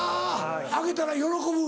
あげたら喜ぶ？